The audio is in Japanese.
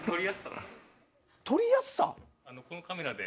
撮りやすさ？